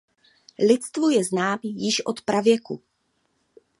Lidstvu je znám již od pravěku.